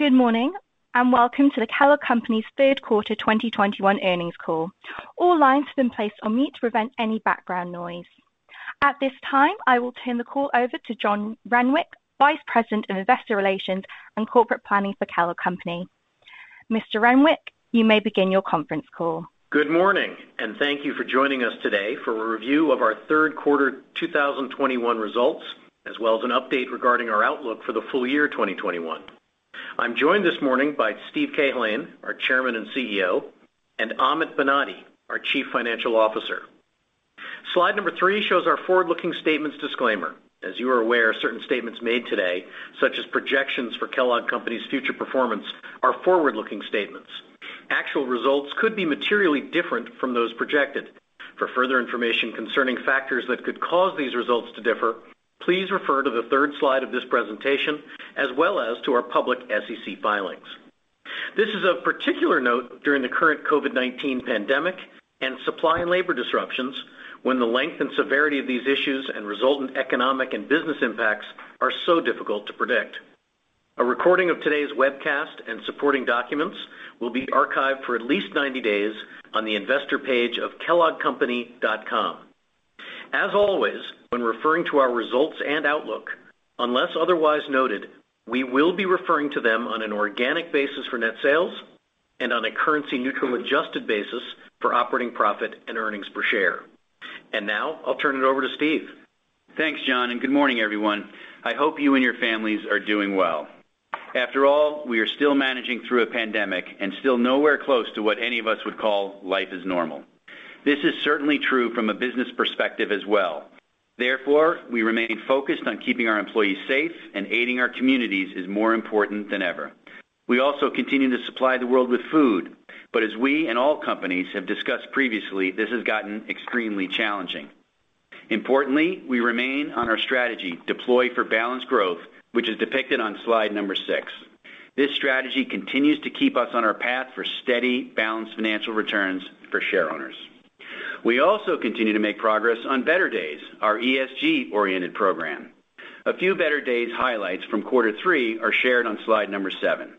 Good morning, and welcome to the Kellogg Company's third quarter 2021 earnings call. All lines have been placed on mute to prevent any background noise. At this time, I will turn the call over to John Renwick, Vice President of Investor Relations and Corporate Planning for Kellogg Company. Mr. Renwick, you may begin your conference call. Good morning, and thank you for joining us today for a review of our Q3 2021 results, as well as an update regarding our outlook for the full year 2021. I'm joined this morning by Steve Cahillane, our Chairman and CEO, and Amit Banati, our Chief Financial Officer. Slide 3 shows our forward-looking statements disclaimer. As you are aware, certain statements made today, such as projections for Kellogg Company's future performance, are forward-looking statements. Actual results could be materially different from those projected. For further information concerning factors that could cause these results to differ, please refer to the third slide of this presentation, as well as to our public SEC filings. This is of particular note during the current COVID-19 pandemic and supply and labor disruptions, when the length and severity of these issues and resultant economic and business impacts are so difficult to predict. A recording of today's webcast and supporting documents will be archived for at least 90 days on the investor page of kelloggcompany.com. As always, when referring to our results and outlook, unless otherwise noted, we will be referring to them on an organic basis for net sales and on a currency neutral adjusted basis for operating profit and earnings per share. Now I'll turn it over to Steve. Thanks, John, and good morning, everyone. I hope you and your families are doing well. After all, we are still managing through a pandemic and still nowhere close to what any of us would call life is normal. This is certainly true from a business perspective as well. Therefore, we remain focused on keeping our employees safe and aiding our communities is more important than ever. We also continue to supply the world with food, but as we and all companies have discussed previously, this has gotten extremely challenging. Importantly, we remain on our strategy, Deploy for Balanced Growth, which is depicted on slide six. This strategy continues to keep us on our path for steady, balanced financial returns for shareowners. We also continue to make progress on Better Days, our ESG-oriented program. A few Better Days highlights from quarter three are shared on slide seven.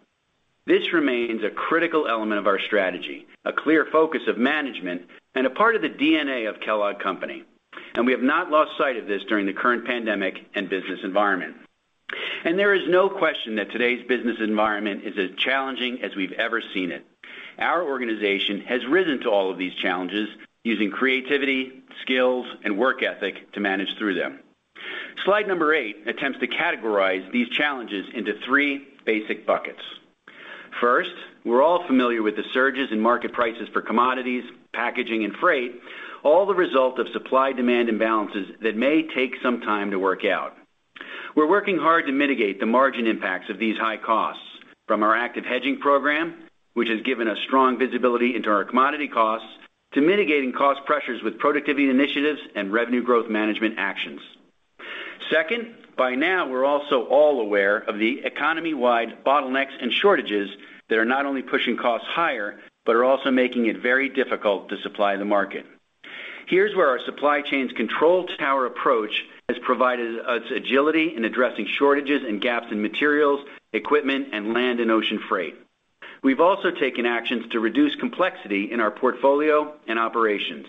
This remains a critical element of our strategy, a clear focus of management, and a part of the DNA of Kellogg Company. We have not lost sight of this during the current pandemic and business environment. There is no question that today's business environment is as challenging as we've ever seen it. Our organization has risen to all of these challenges using creativity, skills, and work ethic to manage through them. Slide number eight attempts to categorize these challenges into three basic buckets. First, we're all familiar with the surges in market prices for commodities, packaging, and freight, all the result of supply-demand imbalances that may take some time to work out. We're working hard to mitigate the margin impacts of these high costs from our active hedging program, which has given us strong visibility into our commodity costs to mitigating cost pressures with productivity initiatives and revenue growth management actions. Second, by now we're also all aware of the economy-wide bottlenecks and shortages that are not only pushing costs higher, but are also making it very difficult to supply the market. Here's where our supply chain's control tower approach has provided us agility in addressing shortages and gaps in materials, equipment, and land and ocean freight. We've also taken actions to reduce complexity in our portfolio and operations.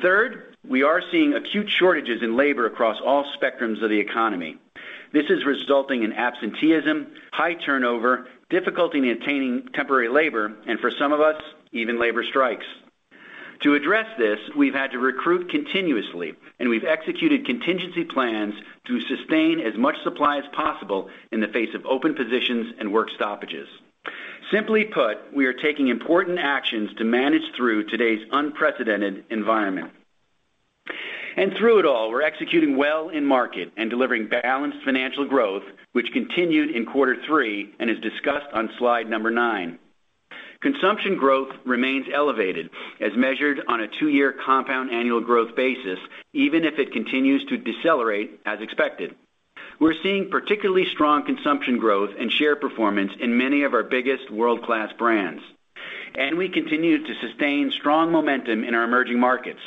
Third, we are seeing acute shortages in labor across all spectrums of the economy. This is resulting in absenteeism, high turnover, difficulty in obtaining temporary labor, and for some of us, even labor strikes. To address this, we've had to recruit continuously, and we've executed contingency plans to sustain as much supply as possible in the face of open positions and work stoppages. Simply put, we are taking important actions to manage through today's unprecedented environment. Through it all, we're executing well in market and delivering balanced financial growth, which continued in quarter three and is discussed on slide number nine. Consumption growth remains elevated as measured on a two-year compound annual growth basis, even if it continues to decelerate as expected. We're seeing particularly strong consumption growth and share performance in many of our biggest world-class brands, and we continue to sustain strong momentum in our emerging markets.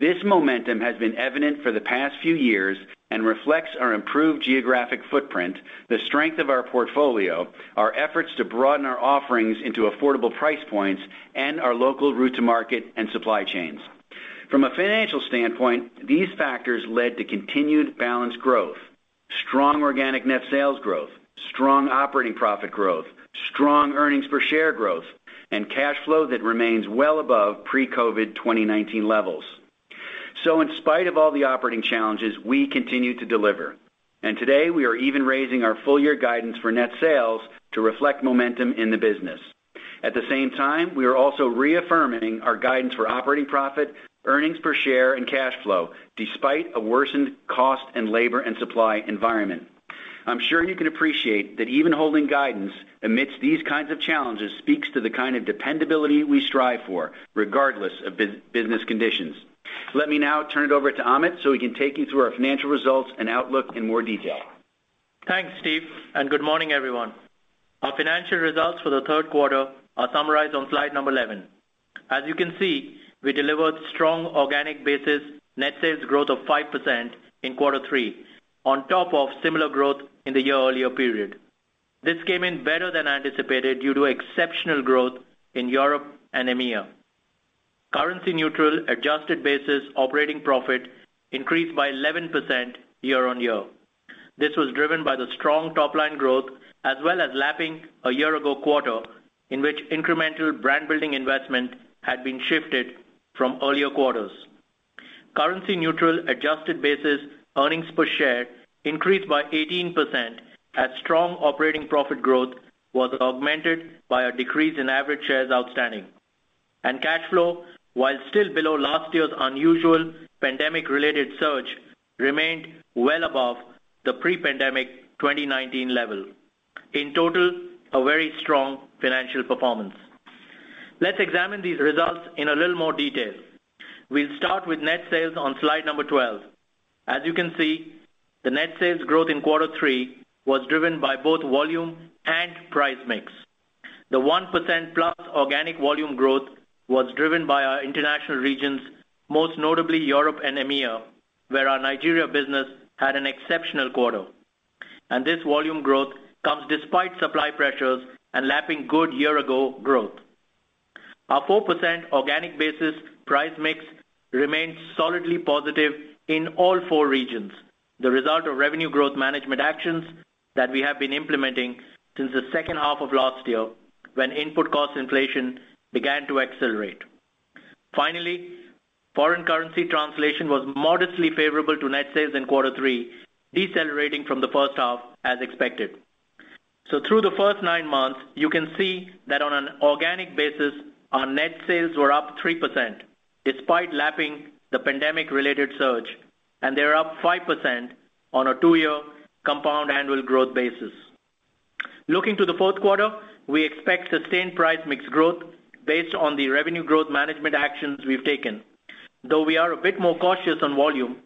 This momentum has been evident for the past few years and reflects our improved geographic footprint, the strength of our portfolio, our efforts to broaden our offerings into affordable price points, and our local route to market and supply chains. From a financial standpoint, these factors led to continued balanced growth, strong organic net sales growth, strong operating profit growth, strong earnings per share growth, and cash flow that remains well above pre-COVID-19 2019 levels. In spite of all the operating challenges, we continue to deliver. Today, we are even raising our full year guidance for net sales to reflect momentum in the business. At the same time, we are also reaffirming our guidance for operating profit, earnings per share, and cash flow despite a worsened costs in labor and supply environment. I'm sure you can appreciate that even holding guidance amidst these kinds of challenges speaks to the kind of dependability we strive for, regardless of business conditions. Let me now turn it over to Amit so he can take you through our financial results and outlook in more detail. Thanks, Steve, and good morning, everyone. Our financial results for the third quarter are summarized on slide number 11. As you can see, we delivered strong organic basis net sales growth of 5% in quarter three, on top of similar growth in the year earlier period. This came in better than anticipated due to exceptional growth in Europe and EMEA. Currency neutral adjusted basis operating profit increased by 11% year-on-year. This was driven by the strong top line growth as well as lapping a year ago quarter in which incremental brand-building investment had been shifted from earlier quarters. Currency neutral adjusted basis earnings per share increased by 18% as strong operating profit growth was augmented by a decrease in average shares outstanding. Cash flow, while still below last year's unusual pandemic-related surge, remained well above the pre-pandemic 2019 level. In total, a very strong financial performance. Let's examine these results in a little more detail. We'll start with net sales on slide number 12. As you can see, the net sales growth in quarter three was driven by both volume and price mix. The 1%+ organic volume growth was driven by our international regions, most notably Europe and EMEA, where our Nigeria business had an exceptional quarter. This volume growth comes despite supply pressures and lapping good year-ago growth. Our 4% organic basis price mix remains solidly positive in all four regions, the result of revenue growth management actions that we have been implementing since the second half of last year when input cost inflation began to accelerate. Finally, foreign currency translation was modestly favorable to net sales in quarter three, decelerating from the first half as expected. Through the first nine months, you can see that on an organic basis, our net sales were up 3% despite lapping the pandemic-related surge, and they're up 5% on a two-year compound annual growth basis. Looking to the fourth quarter, we expect sustained price mix growth based on the revenue growth management actions we've taken. Though we are a bit more cautious on volume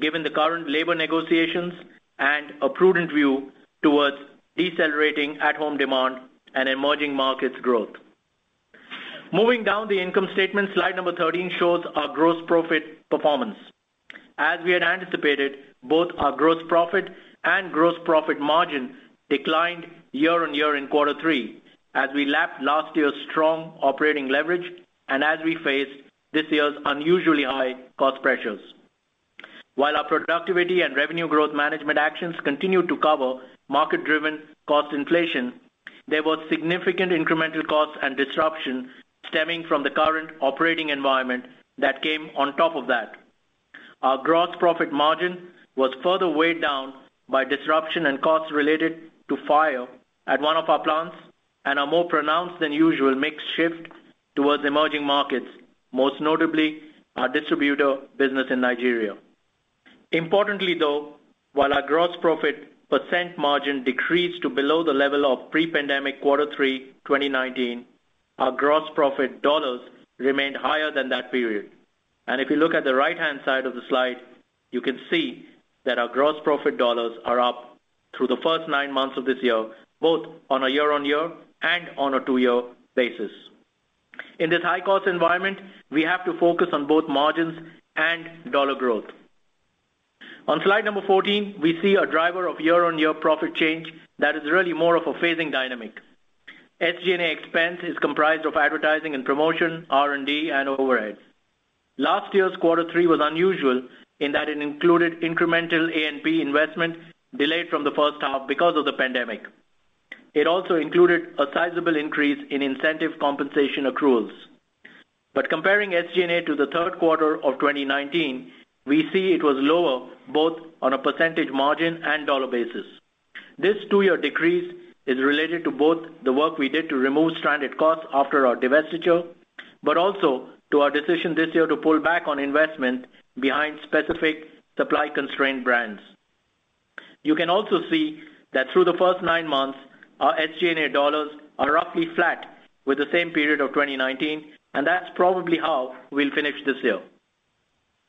given the current labor negotiations and a prudent view towards decelerating at-home demand and emerging markets growth. Moving down the income statement, slide number 13 shows our gross profit performance. As we had anticipated, both our gross profit and gross profit margin declined year-on-year in quarter three as we lapped last year's strong operating leverage and as we face this year's unusually high cost pressures. While our productivity and revenue growth management actions continued to cover market-driven cost inflation, there was significant incremental costs and disruption stemming from the current operating environment that came on top of that. Our gross profit margin was further weighed down by disruption and costs related to fire at one of our plants and a more pronounced than usual mix shift towards emerging markets, most notably our distributor business in Nigeria. Importantly though, while our gross profit percent margin decreased to below the level of pre-pandemic Q3 2019, our gross profit dollars remained higher than that period. If you look at the right-hand side of the slide, you can see that our gross profit dollars are up through the first nine months of this year, both on a year-on-year and on a two-year basis. In this high-cost environment, we have to focus on both margins and dollar growth. On slide number 14, we see a driver of year-on-year profit change that is really more of a phasing dynamic. SG&A expense is comprised of advertising and promotion, R&D, and overheads. Last year's quarter three was unusual in that it included incremental A&P investment delayed from the first half because of the pandemic. It also included a sizable increase in incentive compensation accruals. Comparing SG&A to the third quarter of 2019, we see it was lower both on a percentage margin and dollar basis. This two-year decrease is related to both the work we did to remove stranded costs after our divestiture, but also to our decision this year to pull back on investment behind specific supply-constrained brands. You can also see that through the first nine months, our SG&A dollars are roughly flat with the same period of 2019, and that's probably how we'll finish this year.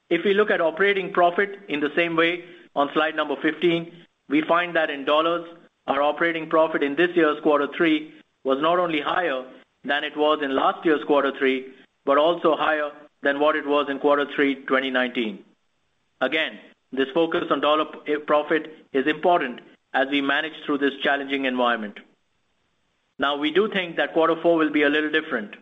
If we look at operating profit in the same way on slide 15, we find that in dollars, our operating profit in this year's quarter three was not only higher than it was in last year's quarter three, but also higher than what it was in quarter three, 2019. Again, this focus on dollar profit is important as we manage through this challenging environment. Now, we do think that quarter four will be a little different.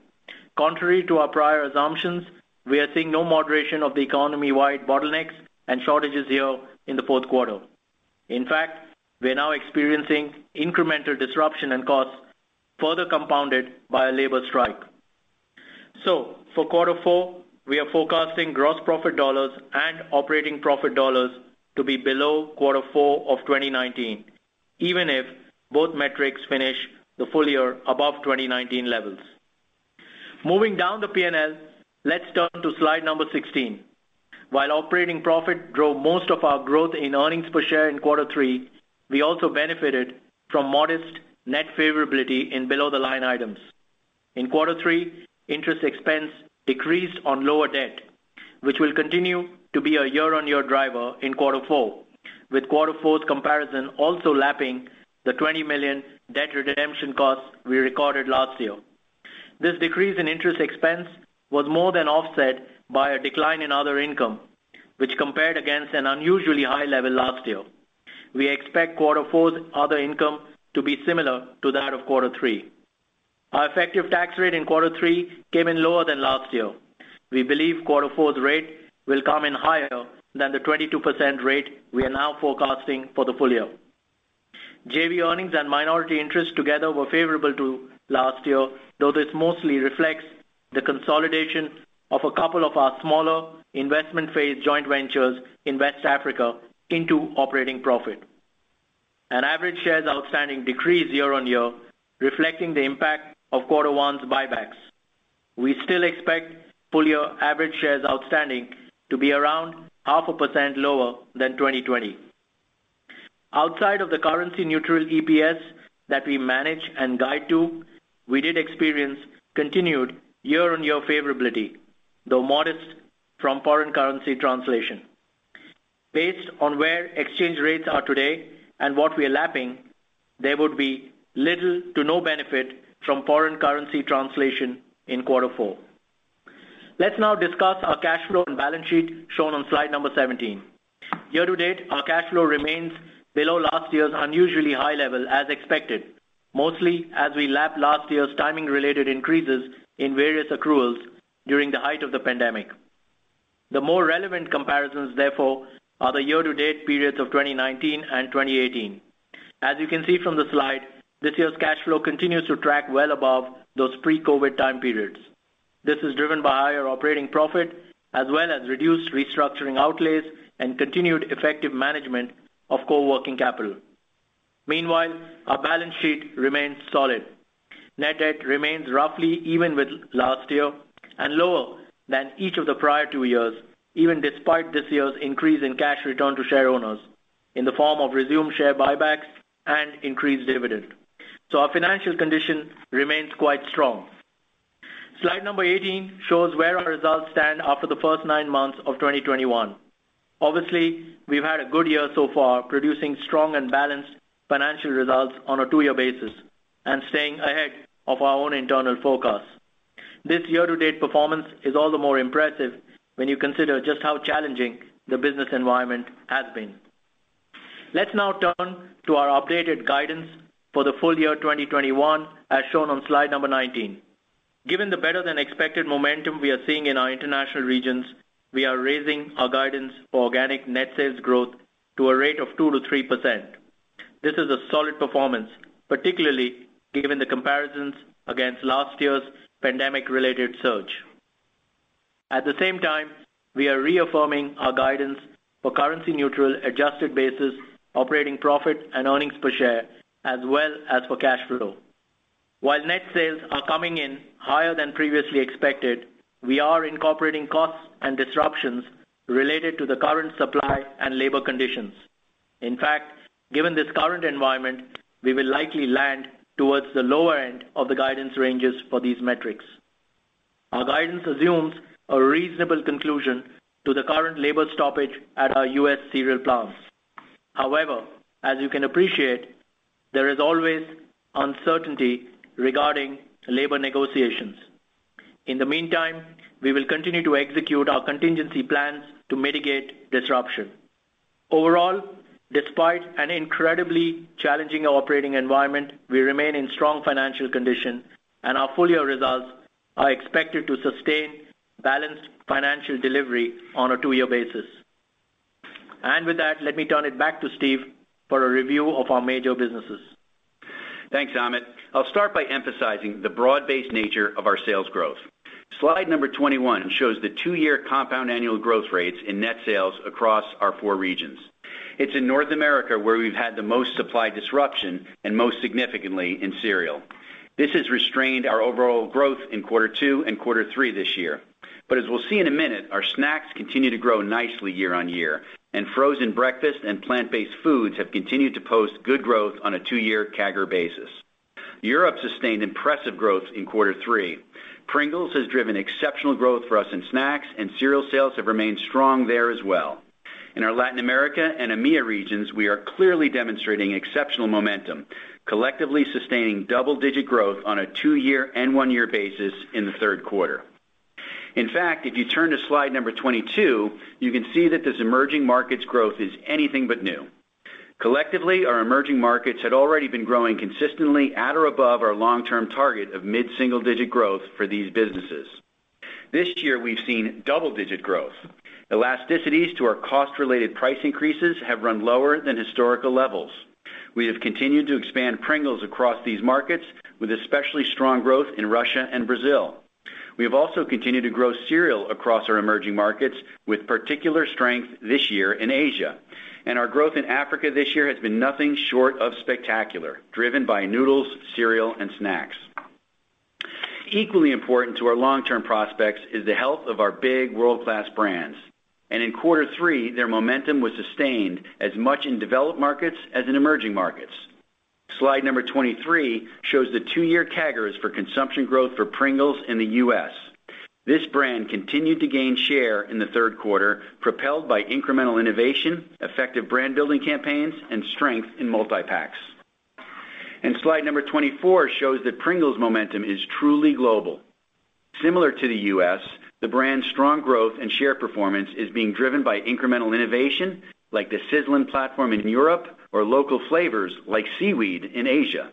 Contrary to our prior assumptions, we are seeing no moderation of the economy-wide bottlenecks and shortages here in the fourth quarter. In fact, we're now experiencing incremental disruption and costs further compounded by a labor strike. So for quarter four, we are forecasting gross profit dollars and operating profit dollars to be below quarter four of 2019, even if both metrics finish the full year above 2019 levels. Moving down the P&L, let's turn to slide 16. While operating profit drove most of our growth in earnings per share in quarter three, we also benefited from modest net favorability in below-the-line items. In quarter three, interest expense decreased on lower debt, which will continue to be a year-on-year driver in quarter four, with quarter four's comparison also lapping the $20 million debt redemption costs we recorded last year. This decrease in interest expense was more than offset by a decline in other income, which compared against an unusually high level last year. We expect quarter four's other income to be similar to that of quarter three. Our effective tax rate in quarter three came in lower than last year. We believe quarter four's rate will come in higher than the 22% rate we are now forecasting for the full year. JV earnings and minority interests together were favorable to last year, though this mostly reflects the consolidation of a couple of our smaller investment phase joint ventures in West Africa into operating profit. Average shares outstanding decreased year-over-year, reflecting the impact of quarter one's buybacks. We still expect full year average shares outstanding to be around 0.5% lower than 2020. Outside of the currency neutral EPS that we manage and guide to, we did experience continued year-over-year favorability, though modest from foreign currency translation. Based on where exchange rates are today and what we're lapping, there would be little to no benefit from foreign currency translation in quarter four. Let's now discuss our cash flow and balance sheet shown on slide 17. Year to date, our cash flow remains below last year's unusually high level, as expected, mostly as we lap last year's timing-related increases in various accruals during the height of the pandemic. The more relevant comparisons, therefore, are the year-to-date periods of 2019 and 2018. As you can see from the slide, this year's cash flow continues to track well above those pre-COVID time periods. This is driven by higher operating profit as well as reduced restructuring outlays and continued effective management of working capital. Meanwhile, our balance sheet remains solid. Net debt remains roughly even with last year and lower than each of the prior two years, even despite this year's increase in cash return to shareowners in the form of resumed share buybacks and increased dividend. Our financial condition remains quite strong. Slide 18 shows where our results stand after the first nine months of 2021. Obviously, we've had a good year so far, producing strong and balanced financial results on a two-year basis and staying ahead of our own internal forecasts. This year to date performance is all the more impressive when you consider just how challenging the business environment has been. Let's now turn to our updated guidance for the full year 2021, as shown on slide 19. Given the better than expected momentum we are seeing in our international regions, we are raising our guidance for organic net sales growth to a rate of 2%-3%. This is a solid performance, particularly given the comparisons against last year's pandemic related surge. At the same time, we are reaffirming our guidance for currency neutral adjusted basis operating profit and earnings per share as well as for cash flow. While net sales are coming in higher than previously expected, we are incorporating costs and disruptions related to the current supply and labor conditions. In fact, given this current environment, we will likely land towards the lower end of the guidance ranges for these metrics. Our guidance assumes a reasonable conclusion to the current labor stoppage at our U.S. cereal plants. However, as you can appreciate, there is always uncertainty regarding labor negotiations. In the meantime, we will continue to execute our contingency plans to mitigate disruption. Overall, despite an incredibly challenging operating environment, we remain in strong financial condition and our full year results are expected to sustain balanced financial delivery on a two-year basis. With that, let me turn it back to Steve for a review of our major businesses. Thanks, Amit. I'll start by emphasizing the broad-based nature of our sales growth. Slide number 21 shows the two-year compound annual growth rates in net sales across our four regions. It's in North America, where we've had the most supply disruption and most significantly in cereal. This has restrained our overall growth in quarter two and quarter three this year. As we'll see in a minute, our snacks continue to grow nicely year-on-year, and frozen breakfast and plant-based foods have continued to post good growth on a two-year CAGR basis. Europe sustained impressive growth in quarter three. Pringles has driven exceptional growth for us in snacks and cereal sales have remained strong there as well. In our Latin America and EMEA regions, we are clearly demonstrating exceptional momentum, collectively sustaining double-digit growth on a two-year and one-year basis in the third quarter. In fact, if you turn to slide number 22, you can see that this emerging markets growth is anything but new. Collectively, our emerging markets had already been growing consistently at or above our long-term target of mid-single-digit growth for these businesses. This year, we've seen double-digit growth. Elasticities to our cost-related price increases have run lower than historical levels. We have continued to expand Pringles across these markets with especially strong growth in Russia and Brazil. We have also continued to grow cereal across our emerging markets with particular strength this year in Asia. Our growth in Africa this year has been nothing short of spectacular, driven by noodles, cereal and snacks. Equally important to our long-term prospects is the health of our big world-class brands. In quarter three, their momentum was sustained as much in developed markets as in emerging markets. Slide number 23 shows the two-year CAGRs for consumption growth for Pringles in the U.S. This brand continued to gain share in the third quarter, propelled by incremental innovation, effective brand-building campaigns, and strength in multi-packs. Slide number 24 shows that Pringles' momentum is truly global. Similar to the U.S., the brand's strong growth and share performance is being driven by incremental innovation, like the sizzlin' platform in Europe or local flavors like seaweed in Asia,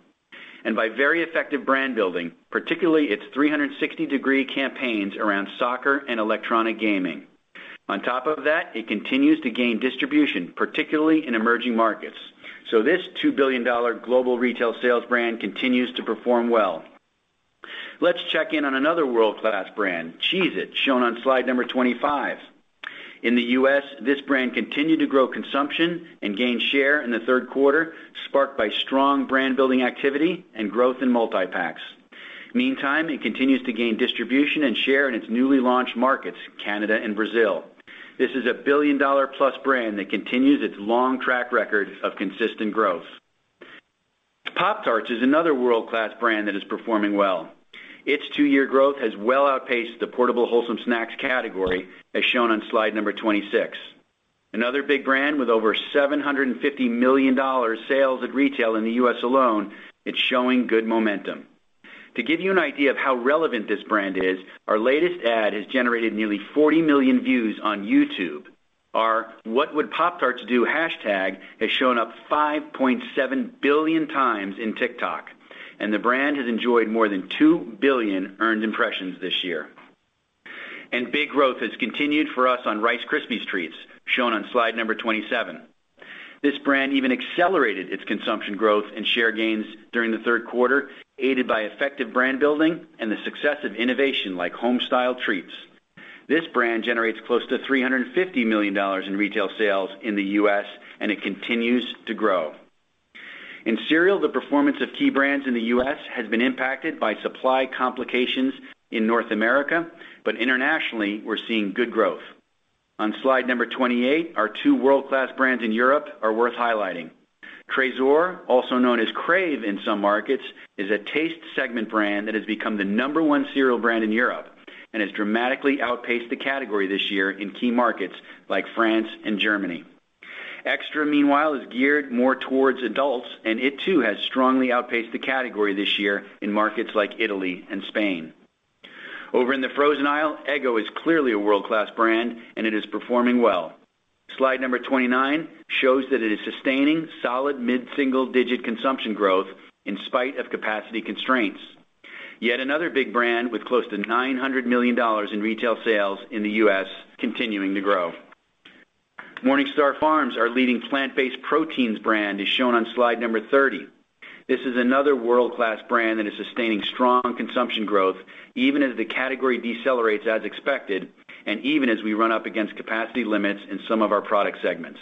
and by very effective brand building, particularly its 360-degree campaigns around soccer and electronic gaming. On top of that, it continues to gain distribution, particularly in emerging markets. This $2 billion global retail sales brand continues to perform well. Let's check in on another world-class brand, Cheez-It, shown on slide 25. In the U.S., this brand continued to grow consumption and gain share in the third quarter, sparked by strong brand-building activity and growth in multi-packs. Meantime, it continues to gain distribution and share in its newly launched markets, Canada and Brazil. This is a billion-dollar-plus brand that continues its long track record of consistent growth. Pop-Tarts is another world-class brand that is performing well. Its two-year growth has well outpaced the portable wholesome snacks category, as shown on slide 26. Another big brand with over $750 million sales at retail in the U.S. alone, it's showing good momentum. To give you an idea of how relevant this brand is, our latest ad has generated nearly 40 million views on YouTube. Our What Would Pop-Tarts Do hashtag has shown up 5.7 billion times in TikTok, and the brand has enjoyed more than 2 billion earned impressions this year. Big growth has continued for us on Rice Krispies Treats, shown on slide number 27. This brand even accelerated its consumption growth and share gains during the third quarter, aided by effective brand building and the success of innovation like Homestyle treats. This brand generates close to $350 million in retail sales in the U.S., and it continues to grow. In cereal, the performance of key brands in the U.S. has been impacted by supply complications in North America, but internationally, we're seeing good growth. On slide number 28, our two world-class brands in Europe are worth highlighting. Tresor, also known as Krave in some markets, is a taste segment brand that has become the number-one cereal brand in Europe and has dramatically outpaced the category this year in key markets like France and Germany. Extra, meanwhile, is geared more towards adults, and it too has strongly outpaced the category this year in markets like Italy and Spain. Over in the frozen aisle, Eggo is clearly a world-class brand, and it is performing well. Slide number 29 shows that it is sustaining solid mid-single-digit consumption growth in spite of capacity constraints. Yet another big brand with close to $900 million in retail sales in the U.S. continuing to grow. MorningStar Farms, our leading plant-based proteins brand, is shown on slide number 30. This is another world-class brand that is sustaining strong consumption growth, even as the category decelerates as expected and even as we run up against capacity limits in some of our product segments.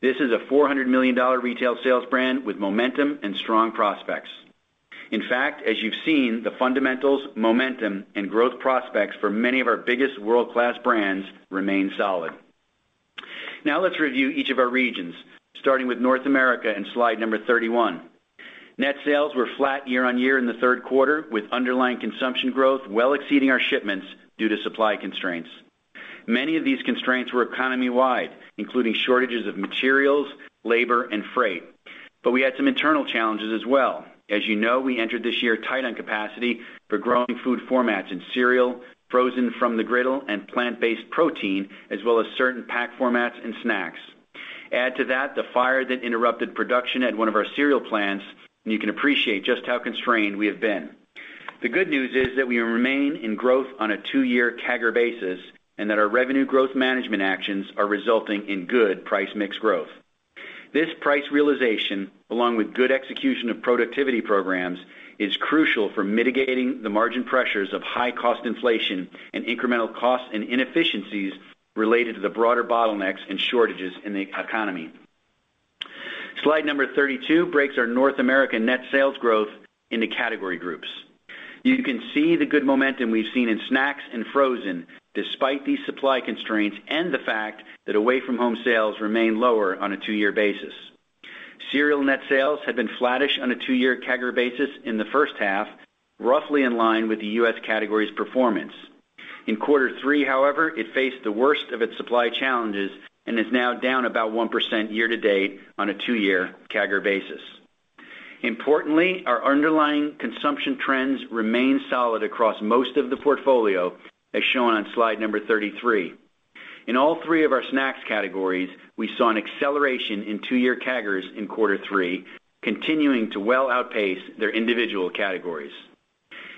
This is a $400 million retail sales brand with momentum and strong prospects. In fact, as you've seen, the fundamentals, momentum, and growth prospects for many of our biggest world-class brands remain solid. Now let's review each of our regions, starting with North America in slide number 31. Net sales were flat year-on-year in the third quarter, with underlying consumption growth well exceeding our shipments due to supply constraints. Many of these constraints were economy-wide, including shortages of materials, labor, and freight. We had some internal challenges as well. As you know, we entered this year tight on capacity for growing food formats in cereal, frozen from-the-griddle, and plant-based protein, as well as certain pack formats and snacks. Add to that the fire that interrupted production at one of our cereal plants, and you can appreciate just how constrained we have been. The good news is that we remain in growth on a two-year CAGR basis and that our revenue growth management actions are resulting in good price mix growth. This price realization, along with good execution of productivity programs, is crucial for mitigating the margin pressures of high cost inflation and incremental costs and inefficiencies related to the broader bottlenecks and shortages in the economy. Slide number 32 breaks our North American net sales growth into category groups. You can see the good momentum we've seen in snacks and frozen despite these supply constraints and the fact that away from home sales remain lower on a two-year basis. Cereal net sales had been flattish on a two-year CAGR basis in the first half, roughly in line with the U.S. category's performance. In quarter three, however, it faced the worst of its supply challenges and is now down about 1% year-to-date on a two-year CAGR basis. Importantly, our underlying consumption trends remain solid across most of the portfolio, as shown on slide number 33. In all three of our snacks categories, we saw an acceleration in two-year CAGRs in quarter three, continuing to well outpace their individual categories.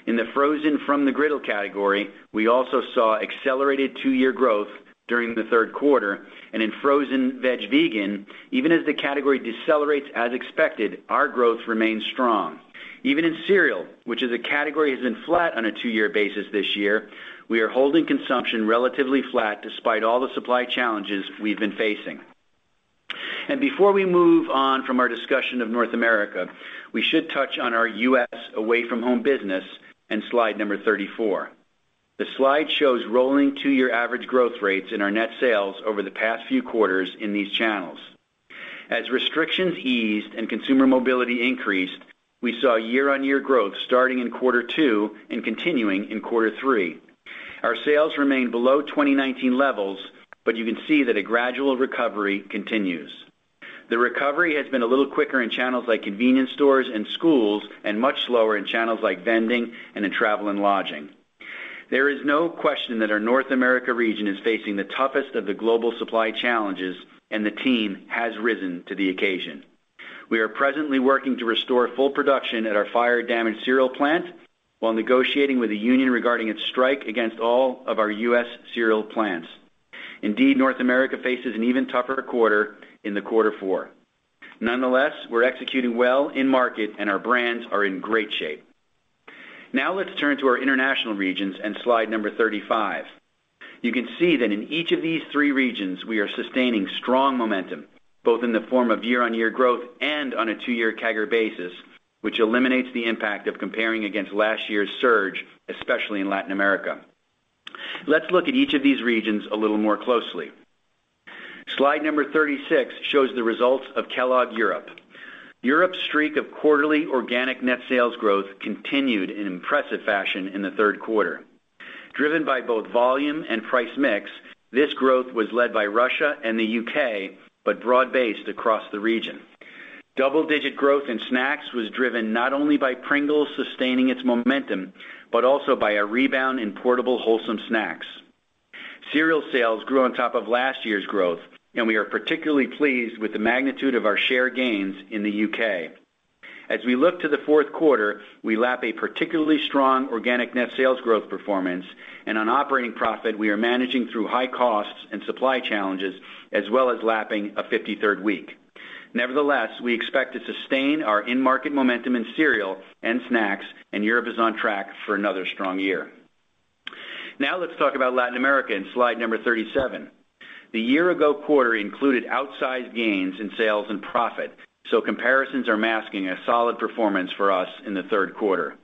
In the frozen from-the-griddle category, we also saw accelerated two-year growth during the third quarter, and in frozen veg/vegan, even as the category decelerates as expected, our growth remains strong. Even in cereal, which as a category has been flat on a two-year basis this year, we are holding consumption relatively flat despite all the supply challenges we've been facing. Before we move on from our discussion of North America, we should touch on our U.S. away from home business in slide number 34. The slide shows rolling two-year average growth rates in our net sales over the past few quarters in these channels. As restrictions eased and consumer mobility increased, we saw year-on-year growth starting in quarter two and continuing in quarter three. Our sales remained below 2019 levels, but you can see that a gradual recovery continues. The recovery has been a little quicker in channels like convenience stores and schools, and much slower in channels like vending and in travel and lodging. There is no question that our North America region is facing the toughest of the global supply challenges and the team has risen to the occasion. We are presently working to restore full production at our fire damaged cereal plant while negotiating with the union regarding its strike against all of our U.S. cereal plants. Indeed, North America faces an even tougher quarter in the quarter four. Nonetheless, we're executing well in market and our brands are in great shape. Now let's turn to our international regions and slide number 35. You can see that in each of these three regions, we are sustaining strong momentum, both in the form of year-on-year growth and on a two-year CAGR basis, which eliminates the impact of comparing against last year's surge, especially in Latin America. Let's look at each of these regions a little more closely. Slide number 36 shows the results of Kellogg Europe. Europe's streak of quarterly organic net sales growth continued in impressive fashion in the third quarter. Driven by both volume and price mix, this growth was led by Russia and the U.K., but broad-based across the region. Double-digit growth in snacks was driven not only by Pringles sustaining its momentum, but also by a rebound in portable wholesome snacks. Cereal sales grew on top of last year's growth, and we are particularly pleased with the magnitude of our share gains in the U.K. As we look to the fourth quarter, we lap a particularly strong organic net sales growth performance and on operating profit, we are managing through high costs and supply challenges as well as lapping a 53rd week. Nevertheless, we expect to sustain our in-market momentum in cereal and snacks, and Europe is on track for another strong year. Now let's talk about Latin America in slide number 37. The year ago quarter included outsized gains in sales and profit, so comparisons are masking a solid performance for us in the third quarter.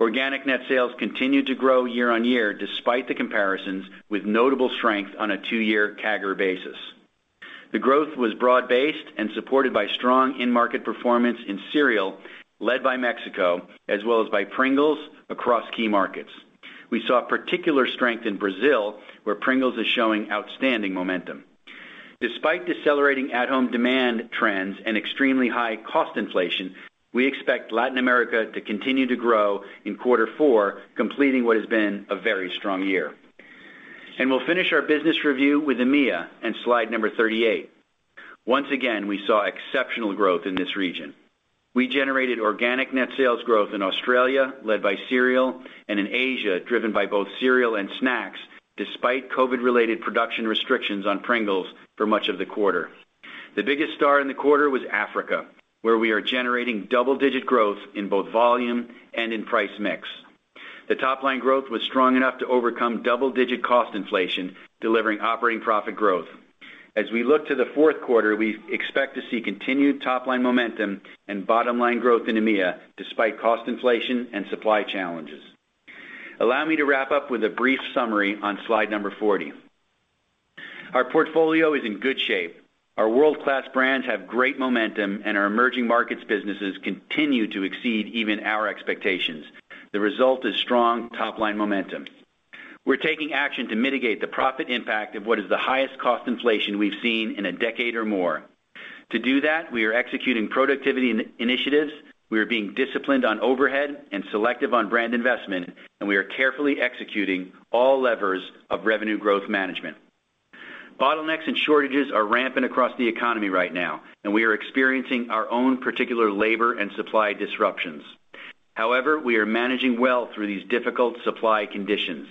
Organic net sales continued to grow year-on-year despite the comparisons with notable strength on a two-year CAGR basis. The growth was broad-based and supported by strong in-market performance in cereal led by Mexico as well as by Pringles across key markets. We saw particular strength in Brazil, where Pringles is showing outstanding momentum. Despite decelerating at home demand trends and extremely high cost inflation, we expect Latin America to continue to grow in quarter four, completing what has been a very strong year. We'll finish our business review with EMEA and slide number 38. Once again, we saw exceptional growth in this region. We generated organic net sales growth in Australia, led by cereal, and in Asia, driven by both cereal and snacks, despite COVID-19 related production restrictions on Pringles for much of the quarter. The biggest star in the quarter was Africa, where we are generating double-digit growth in both volume and in price mix. The top line growth was strong enough to overcome double-digit cost inflation, delivering operating profit growth. As we look to the fourth quarter, we expect to see continued top line momentum and bottom line growth in EMEA, despite cost inflation and supply challenges. Allow me to wrap up with a brief summary on slide number 40. Our portfolio is in good shape. Our world-class brands have great momentum, and our emerging markets businesses continue to exceed even our expectations. The result is strong top-line momentum. We're taking action to mitigate the profit impact of what is the highest cost inflation we've seen in a decade or more. To do that, we are executing productivity initiatives, we are being disciplined on overhead and selective on brand investment, and we are carefully executing all levers of revenue growth management. Bottlenecks and shortages are rampant across the economy right now, and we are experiencing our own particular labor and supply disruptions. However, we are managing well through these difficult supply conditions.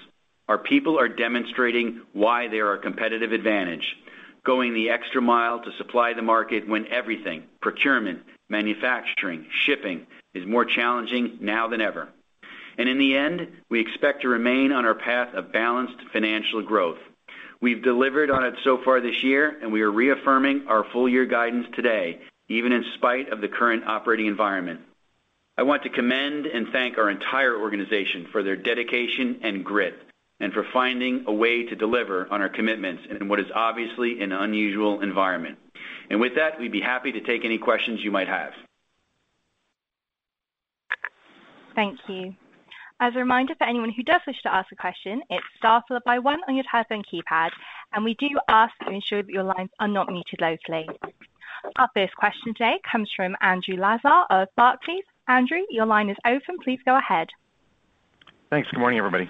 Our people are demonstrating why they are a competitive advantage, going the extra mile to supply the market when everything, procurement, manufacturing, shipping is more challenging now than ever. In the end, we expect to remain on our path of balanced financial growth. We've delivered on it so far this year, and we are reaffirming our full year guidance today, even in spite of the current operating environment. I want to commend and thank our entire organization for their dedication and grit and for finding a way to deliver on our commitments in what is obviously an unusual environment. With that, we'd be happy to take any questions you might have. Thank you. As a reminder for anyone who does wish to ask a question, it's star followed by one on your telephone keypad, and we do ask to ensure that your lines are not muted locally. Our first question today comes from Andrew Lazar of Barclays. Andrew, your line is open. Please go ahead. Thanks. Good morning, everybody.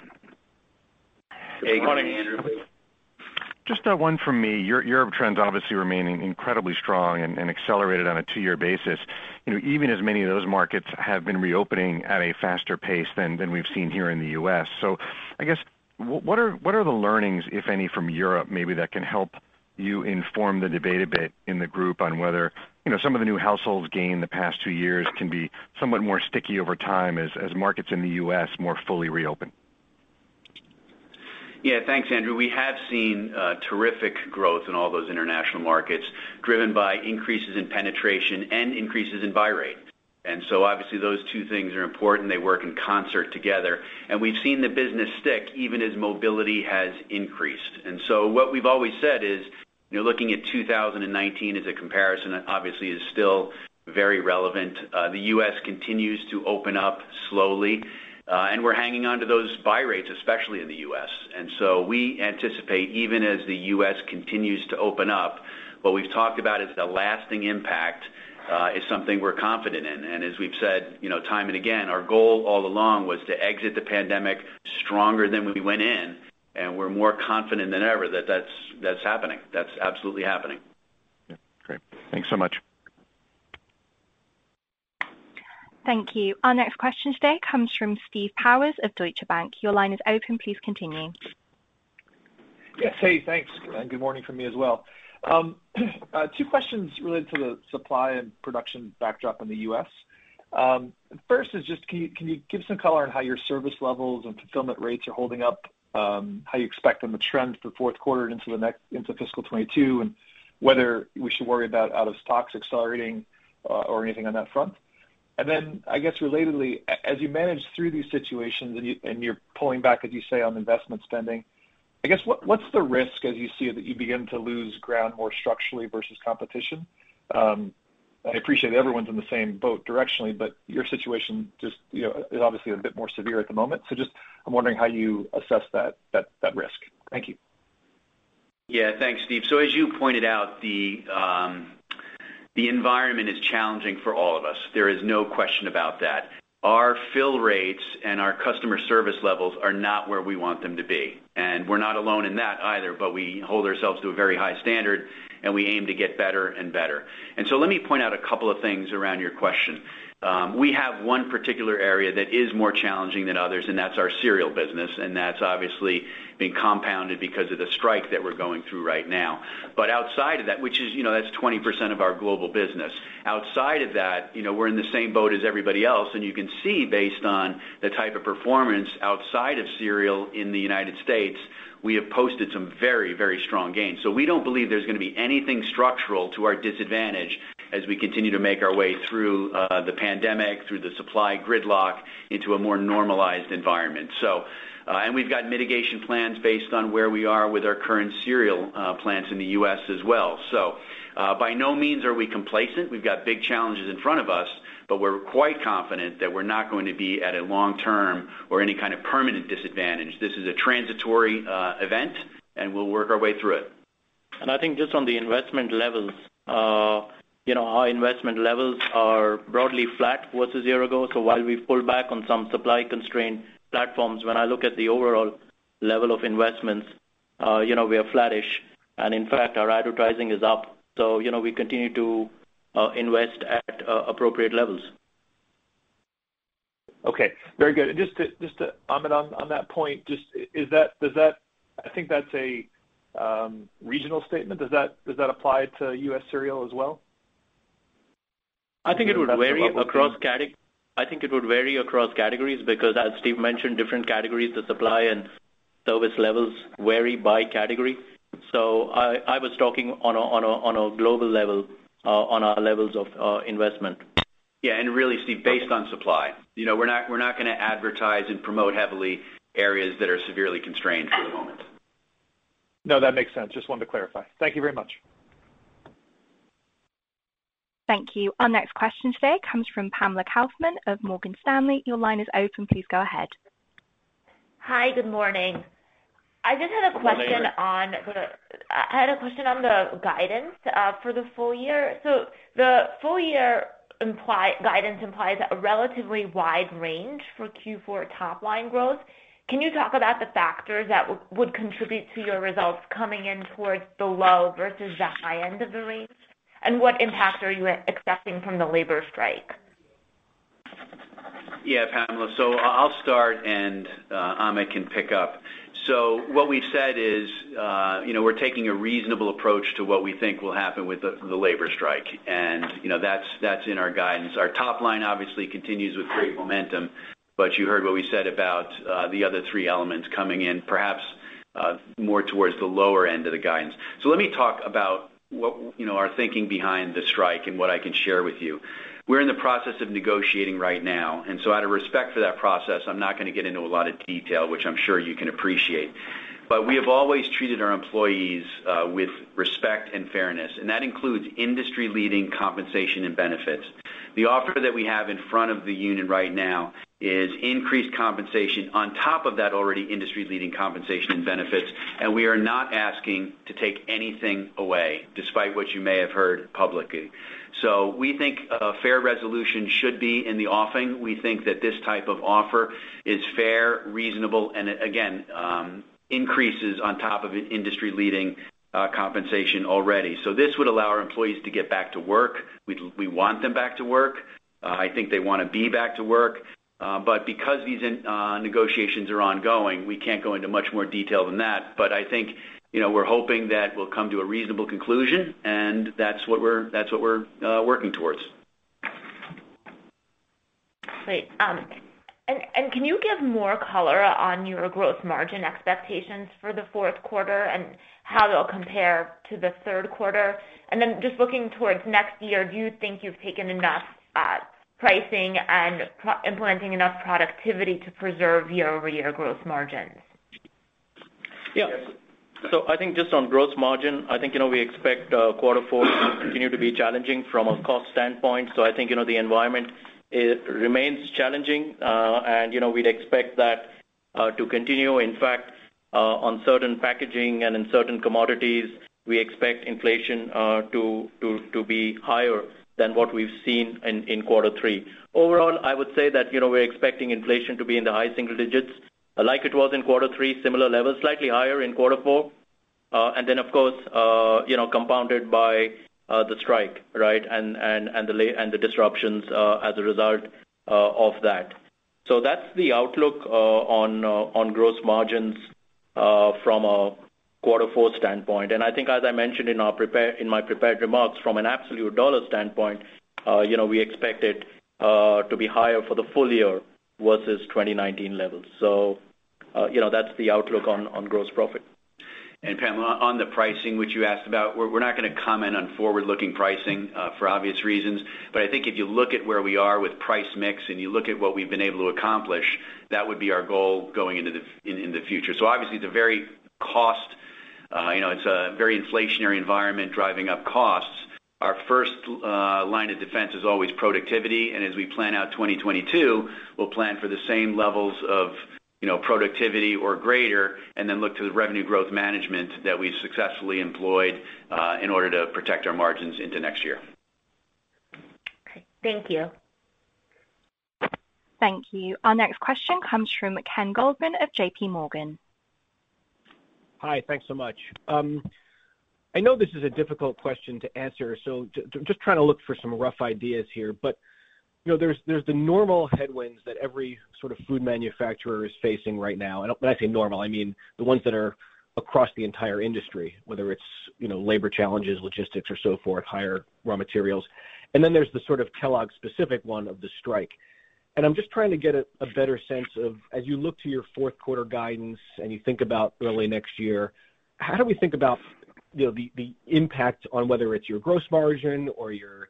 Good morning, Andrew. Just one from me. Your trends obviously remaining incredibly strong and accelerated on a two-year basis, you know, even as many of those markets have been reopening at a faster pace than we've seen here in the U.S. I guess what are the learnings, if any, from Europe maybe that can help you inform the debate a bit in the group on whether, you know, some of the new households gained in the past two years can be somewhat more sticky over time as markets in the U.S. more fully reopen? Yeah, thanks, Andrew. We have seen terrific growth in all those international markets driven by increases in penetration and increases in buy rate. Obviously those two things are important. They work in concert together. We've seen the business stick even as mobility has increased. What we've always said is, you're looking at 2019 as a comparison, obviously is still very relevant. The U.S. continues to open up slowly, and we're hanging on to those buy rates, especially in the U.S. We anticipate even as the U.S. continues to open up, what we've talked about is the lasting impact is something we're confident in. As we've said, you know, time and again, our goal all along was to exit the pandemic stronger than when we went in, and we're more confident than ever that that's happening. That's absolutely happening. Yeah. Great. Thanks so much. Thank you. Our next question today comes from Steve Powers of Deutsche Bank. Your line is open. Please continue. Yes. Hey, thanks. Good morning from me as well. Two questions related to the supply and production backdrop in the U.S. First is just, can you give some color on how your service levels and fulfillment rates are holding up, how you expect them to trend for fourth quarter into fiscal 2022, and whether we should worry about out of stocks accelerating, or anything on that front. Then, I guess, relatedly, as you manage through these situations and you're pulling back, as you say, on investment spending, I guess, what's the risk as you see that you begin to lose ground more structurally versus competition? I appreciate everyone's in the same boat directionally, but your situation just, you know, is obviously a bit more severe at the moment. Just I'm wondering how you assess that risk. Thank you. Yeah. Thanks, Steve. As you pointed out, the environment is challenging for all of us. There is no question about that. Our fill rates and our customer service levels are not where we want them to be, and we're not alone in that either. We hold ourselves to a very high standard, and we aim to get better and better. Let me point out a couple of things around your question. We have one particular area that is more challenging than others, and that's our cereal business, and that's obviously being compounded because of the strike that we're going through right now. Outside of that, which is, you know, that's 20% of our global business. Outside of that, you know, we're in the same boat as everybody else, and you can see based on the type of performance outside of cereal in the United States, we have posted some very, very strong gains. We don't believe there's gonna be anything structural to our disadvantage as we continue to make our way through the pandemic, through the supply gridlock into a more normalized environment. We've got mitigation plans based on where we are with our current cereal plants in the U.S. as well. By no means are we complacent. We've got big challenges in front of us, but we're quite confident that we're not going to be at a long term or any kind of permanent disadvantage. This is a transitory event, and we'll work our way through it. I think just on the investment levels, you know, our investment levels are broadly flat versus year ago. While we've pulled back on some supply constraint platforms, when I look at the overall level of investments, you know, we are flattish. In fact, our advertising is up, so you know, we continue to invest at appropriate levels. Okay. Very good. Just to Amit, on that point, does that, I think that's a regional statement. Does that apply to U.S. cereal as well? I think it would vary across categories because as Steve mentioned, different categories, the supply and service levels vary by category. I was talking on a global level, on our levels of investment. Yeah. Really, Steve, based on supply. You know, we're not gonna advertise and promote heavily areas that are severely constrained for the moment. No, that makes sense. Just wanted to clarify. Thank you very much. Thank you. Our next question today comes from Pamela Kaufman of Morgan Stanley. Your line is open. Please go ahead. Hi. Good morning. I just had a question on the guidance for the full year. The full year guidance implies a relatively wide range for Q4 top line growth. Can you talk about the factors that would contribute to your results coming in towards the low versus the high end of the range? What impact are you expecting from the labor strike? Yeah, Pamela. I'll start, and Amit can pick up. What we've said is, you know, we're taking a reasonable approach to what we think will happen with the labor strike. You know, that's in our guidance. Our top line obviously continues with great momentum, but you heard what we said about the other three elements coming in perhaps more towards the lower end of the guidance. Let me talk about what, you know, our thinking behind the strike and what I can share with you. We're in the process of negotiating right now. Out of respect for that process, I'm not gonna get into a lot of detail, which I'm sure you can appreciate. We have always treated our employees with respect and fairness, and that includes industry-leading compensation and benefits. The offer that we have in front of the union right now is increased compensation on top of that already industry-leading compensation and benefits. We are not asking to take anything away despite what you may have heard publicly. We think a fair resolution should be in the offing. We think that this type of offer is fair, reasonable, and again, increases on top of an industry-leading, compensation already. This would allow our employees to get back to work. We want them back to work. I think they wanna be back to work. But because these, negotiations are ongoing, we can't go into much more detail than that. But I think, you know, we're hoping that we'll come to a reasonable conclusion, and that's what we're working towards. Great. Can you give more color on your gross margin expectations for the fourth quarter and how they'll compare to the third quarter? Just looking towards next year, do you think you've taken enough pricing and implementing enough productivity to preserve year-over-year gross margins? Yeah. I think just on gross margin, I think, you know, we expect quarter four to continue to be challenging from a cost standpoint. I think, you know, the environment, it remains challenging. You know, we'd expect that to continue. In fact, on certain packaging and in certain commodities, we expect inflation to be higher than what we've seen in quarter three. Overall, I would say that, you know, we're expecting inflation to be in the high single digits like it was in quarter three, similar levels, slightly higher in quarter four. And then of course, you know, compounded by the strike, right? And the disruptions as a result of that. That's the outlook on gross margins from a quarter four standpoint. I think as I mentioned in my prepared remarks, from an absolute dollar standpoint, you know, we expect it to be higher for the full year versus 2019 levels. You know, that's the outlook on gross profit. Pamela, on the pricing which you asked about, we're not gonna comment on forward-looking pricing for obvious reasons. I think if you look at where we are with price mix, and you look at what we've been able to accomplish, that would be our goal going into the future. Obviously the very costly, you know, it's a very inflationary environment driving up costs. Our first line of defense is always productivity. As we plan out 2022, we'll plan for the same levels of, you know, productivity or greater, and then look to the revenue growth management that we've successfully employed in order to protect our margins into next year. Okay. Thank you. Thank you. Our next question comes from Ken Goldman of JPMorgan. Hi. Thanks so much. I know this is a difficult question to answer, so just trying to look for some rough ideas here. You know, there's the normal headwinds that every sort of food manufacturer is facing right now. When I say normal, I mean the ones that are across the entire industry, whether it's, you know, labor challenges, logistics or so forth, higher raw materials. Then there's the sort of Kellogg-specific one of the strike. I'm just trying to get a better sense of as you look to your fourth quarter guidance, and you think about early next year, how do we think about, you know, the impact on whether it's your gross margin or your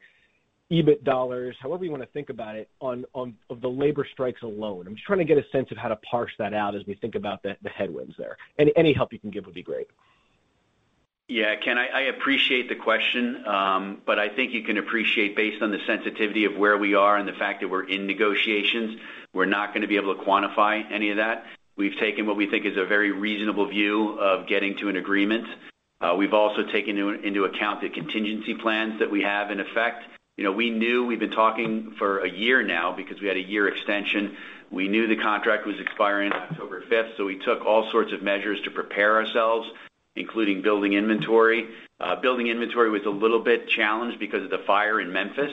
EBIT dollars, however you wanna think about it of the labor strikes alone? I'm just trying to get a sense of how to parse that out as we think about the headwinds there. Any help you can give would be great. Yeah. Ken, I appreciate the question, but I think you can appreciate based on the sensitivity of where we are and the fact that we're in negotiations, we're not gonna be able to quantify any of that. We've taken what we think is a very reasonable view of getting to an agreement. We've also taken into account the contingency plans that we have in effect. You know, we knew we've been talking for a year now because we had a year extension. We knew the contract was expiring October 5, so we took all sorts of measures to prepare ourselves, including building inventory. Building inventory was a little bit challenged because of the fire in Memphis,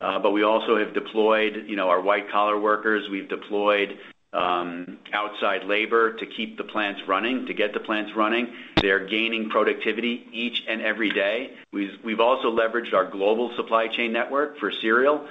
but we also have deployed, you know, our white collar workers. We've deployed outside labor to keep the plants running, to get the plants running. They're gaining productivity each and every day. We've also leveraged our global supply chain network for cereal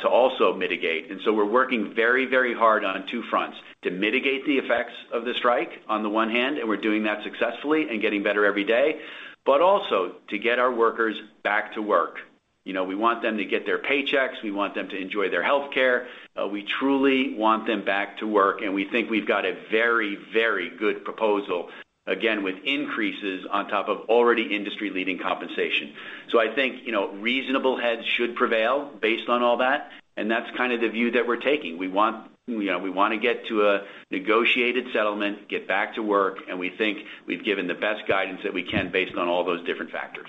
to also mitigate. We're working very, very hard on two fronts, to mitigate the effects of the strike on the one hand, and we're doing that successfully and getting better every day, but also to get our workers back to work. You know, we want them to get their paychecks. We want them to enjoy their healthcare. We truly want them back to work, and we think we've got a very, very good proposal, again, with increases on top of already industry-leading compensation. I think, you know, reasonable heads should prevail based on all that, and that's kind of the view that we're taking. We want, you know, we wanna get to a negotiated settlement, get back to work, and we think we've given the best guidance that we can based on all those different factors.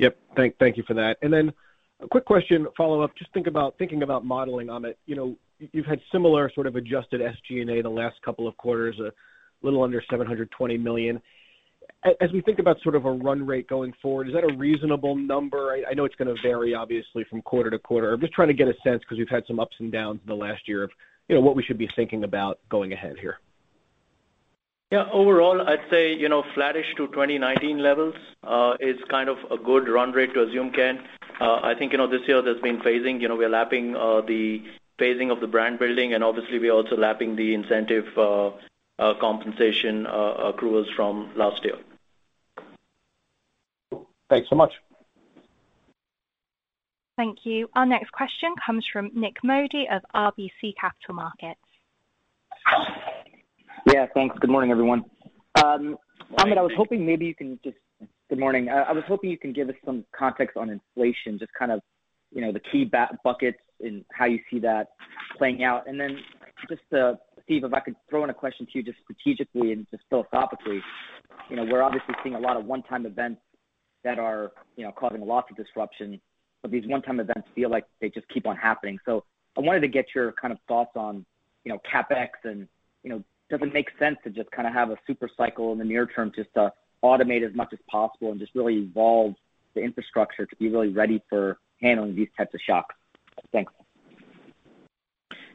Yep. Thank you for that. Then a quick question follow-up. Just thinking about modeling Amit. You know, you've had similar sort of adjusted SG&A the last couple of quarters, a little under $720 million. As we think about sort of a run rate going forward, is that a reasonable number? I know it's gonna vary obviously from quarter to quarter. I'm just trying to get a sense because we've had some ups and downs in the last year of, you know, what we should be thinking about going ahead here. Yeah. Overall, I'd say, you know, flattish to 2019 levels is kind of a good run rate to assume, Ken. I think, you know, this year there's been phasing. You know, we are lapping the phasing of the brand building, and obviously we are also lapping the incentive compensation accruals from last year. Cool. Thanks so much. Thank you. Our next question comes from Nik Modi of RBC Capital Markets. Yeah. Thanks. Good morning, everyone. Amit, I was hoping maybe you can just. Good morning. Good morning. I was hoping you can give us some context on inflation, just kind of, you know, the key buckets and how you see that playing out. Then just, Steve, if I could throw in a question to you, just strategically and just philosophically, you know, we're obviously seeing a lot of one-time events that are, you know, causing lots of disruption. These one-time events feel like they just keep on happening. I wanted to get your kind of thoughts on, you know, CapEx and, you know, does it make sense to just kinda have a super cycle in the near term just to automate as much as possible and just really evolve the infrastructure to be really ready for handling these types of shocks? Thanks. Yeah,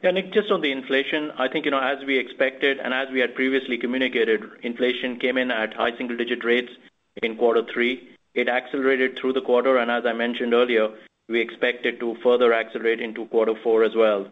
Nik, just on the inflation, I think, you know, as we expected and as we had previously communicated, inflation came in at high single-digit rates in quarter three. It accelerated through the quarter, and as I mentioned earlier, we expect it to further accelerate into quarter four as well.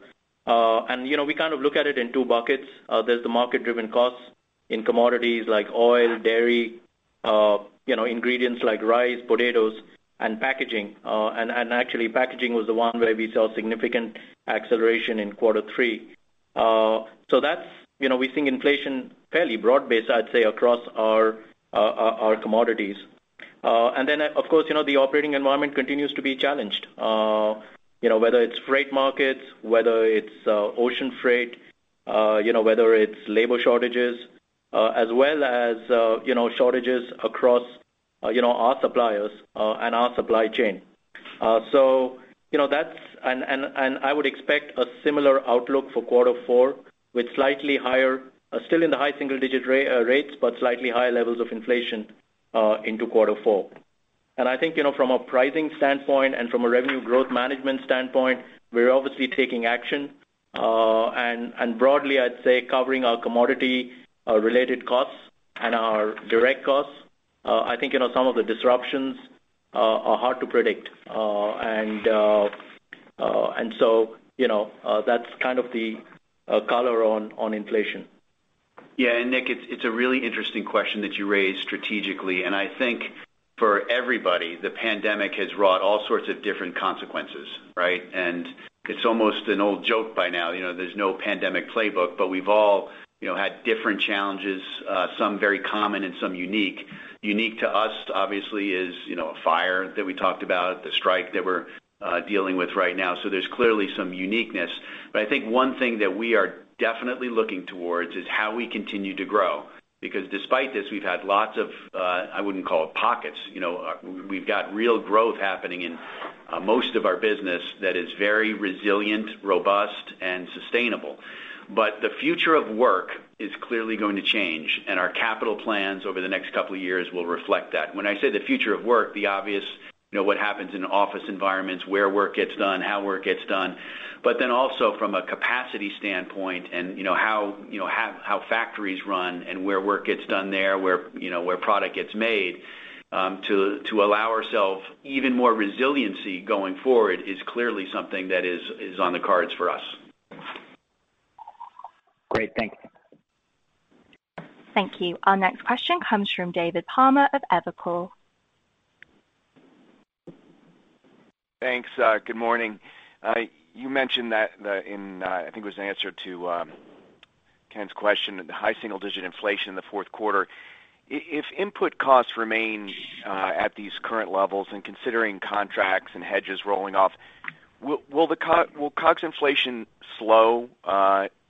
You know, we kind of look at it in two buckets. There's the market-driven costs in commodities like oil, dairy, you know, ingredients like rice, potatoes and packaging. And actually, packaging was the one where we saw significant acceleration in quarter three. That's, you know, we think inflation fairly broad-based, I'd say, across our commodities. Of course, you know, the operating environment continues to be challenged. You know, whether it's freight markets, whether it's ocean freight, you know, whether it's labor shortages, as well as, you know, shortages across, you know, our suppliers and our supply chain. You know, that's. I would expect a similar outlook for quarter four with slightly higher, still in the high single-digit rates, but slightly higher levels of inflation into quarter four. I think, you know, from a pricing standpoint and from a revenue growth management standpoint, we're obviously taking action. Broadly, I'd say covering our commodity related costs and our direct costs. I think, you know, some of the disruptions are hard to predict. So, you know, that's kind of the color on inflation. Yeah. Nick, it's a really interesting question that you raised strategically, and I think for everybody, the pandemic has wrought all sorts of different consequences, right? It's almost an old joke by now, you know. There's no pandemic playbook, but we've all, you know, had different challenges, some very common and some unique to us, obviously, you know, a fire that we talked about, the strike that we're dealing with right now. So there's clearly some uniqueness. I think one thing that we are definitely looking towards is how we continue to grow. Because despite this, we've had lots of. I wouldn't call it pockets, you know. We've got real growth happening in most of our business that is very resilient, robust and sustainable. The future of work is clearly going to change, and our capital plans over the next couple of years will reflect that. When I say the future of work, the obvious, you know, what happens in office environments, where work gets done, how work gets done, but then also from a capacity standpoint and, you know, how factories run and where work gets done there, where, you know, where product gets made, to allow ourselves even more resiliency going forward is clearly something that is on the cards for us. Great. Thanks. Thank you. Our next question comes from David Palmer of Evercore. Thanks. Good morning. You mentioned that, I think it was in answer to Ken's question, the high single digit inflation in the fourth quarter. If input costs remain at these current levels and considering contracts and hedges rolling off, will COGS inflation slow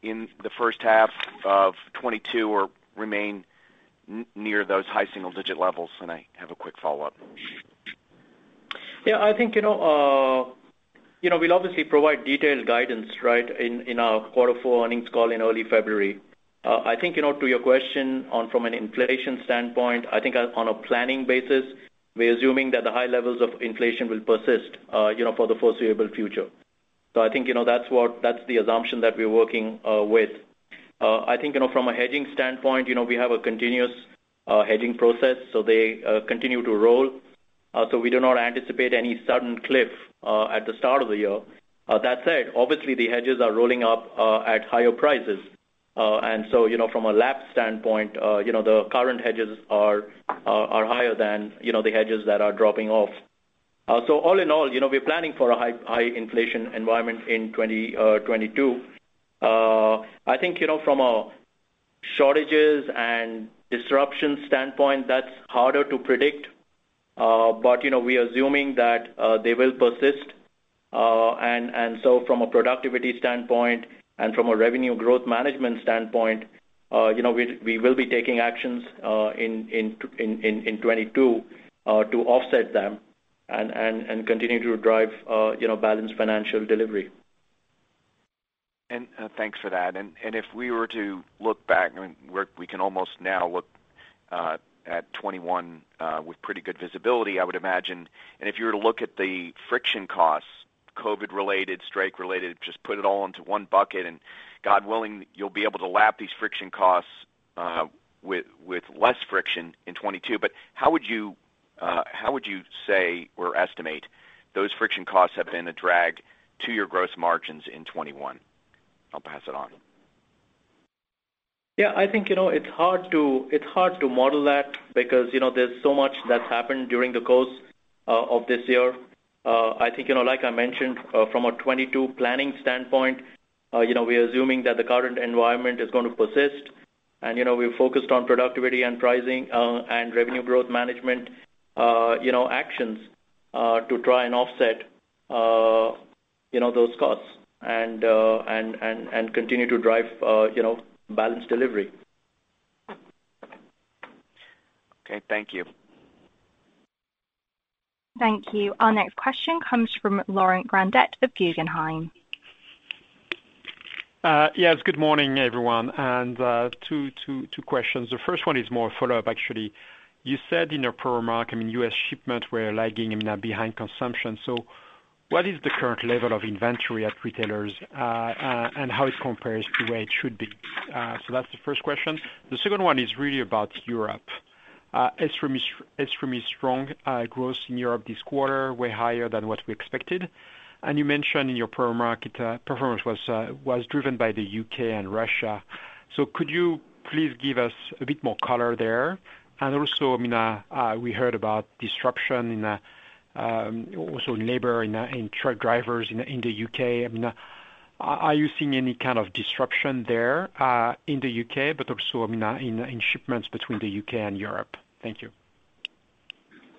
in the first half of 2022 or remain near those high single digit levels? I have a quick follow-up. Yeah, I think, you know, we'll obviously provide detailed guidance, right, in our quarter four earnings call in early February. I think, you know, to your question on, from an inflation standpoint, I think on a planning basis, we're assuming that the high levels of inflation will persist, you know, for the foreseeable future. I think, you know, that's the assumption that we're working with. I think, you know, from a hedging standpoint, you know, we have a continuous hedging process, so they continue to roll. We do not anticipate any sudden cliff at the start of the year. That said, obviously the hedges are rolling up at higher prices. From a lapped standpoint, you know, the current hedges are higher than, you know, the hedges that are dropping off. So all in all, you know, we're planning for a high inflation environment in 2022. I think, you know, from a shortages and disruption standpoint, that's harder to predict, but, you know, we're assuming that they will persist. From a productivity standpoint and from a revenue growth management standpoint, you know, we will be taking actions in 2022 to offset them and continue to drive, you know, balanced financial delivery. Thanks for that. If we were to look back, I mean, we can almost now look at 2021 with pretty good visibility, I would imagine. If you were to look at the friction costs, COVID-related, strike-related, just put it all into one bucket, and God willing, you'll be able to lap these friction costs with less friction in 2022. How would you say or estimate those friction costs have been a drag to your gross margins in 2021? I'll pass it on. Yeah. I think, you know, it's hard to model that because, you know, there's so much that's happened during the course of this year. I think, you know, like I mentioned, from a 2022 planning standpoint, you know, we're assuming that the current environment is gonna persist. You know, we're focused on productivity and pricing and revenue growth management, you know, actions to try and offset, you know, those costs and continue to drive, you know, balanced delivery. Okay. Thank you. Thank you. Our next question comes from Laurent Grandet of Guggenheim. Yes, good morning, everyone. Two questions. The first one is more follow-up, actually. You said in your prepared remarks, I mean, U.S. shipments were lagging, I mean, behind consumption. What is the current level of inventory at retailers, and how it compares to where it should be? That's the first question. The second one is really about Europe. Extremely strong growth in Europe this quarter, way higher than what we expected. You mentioned in your prepared remarks, performance was driven by the U.K. and Russia. Could you please give us a bit more color there? Also, we heard about disruption, also in labor and truck drivers in the U.K. Are you seeing any kind of disruption there in the U.K., but also in shipments between the U.K. and Europe? Thank you.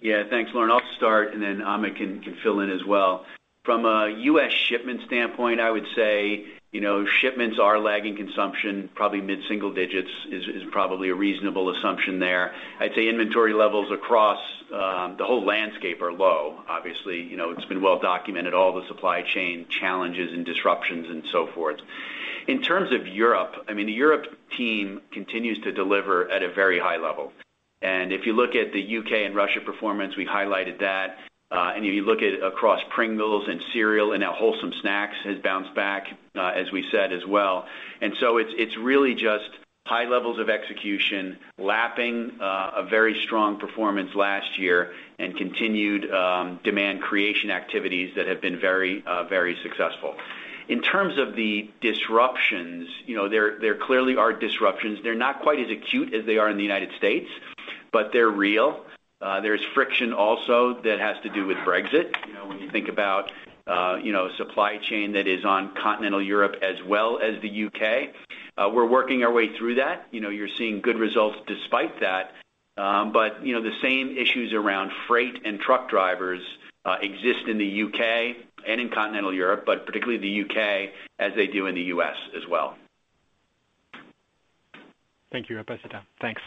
Yeah. Thanks, Laurent. I'll start, and then Amit can fill in as well. From a U.S. shipment standpoint, I would say, you know, shipments are lagging consumption, probably mid-single digits is probably a reasonable assumption there. I'd say inventory levels across the whole landscape are low. Obviously, you know, it's been well documented, all the supply chain challenges and disruptions and so forth. In terms of Europe, I mean, the Europe team continues to deliver at a very high level. If you look at the U.K. and Russia performance, we highlighted that. If you look across Pringles and cereal and now Wholesome Snacks has bounced back, as we said as well. It's really just high levels of execution, lapping a very strong performance last year and continued demand creation activities that have been very successful. In terms of the disruptions, you know, there clearly are disruptions. They're not quite as acute as they are in the United States, but they're real. There's friction also that has to do with Brexit. You know, when you think about, you know, supply chain that is on continental Europe as well as the U.K., we're working our way through that. You know, you're seeing good results despite that. You know, the same issues around freight and truck drivers exist in the U.K. and in continental Europe, but particularly the U.K., as they do in the U.S. as well. Thank you, I'll pass it down. Thanks.